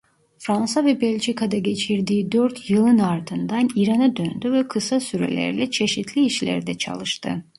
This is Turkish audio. Fransa ve Belçika'da geçirdiği dört yılın ardından İran'a döndü ve kısa sürelerle çeşitli işlerde çalıştı.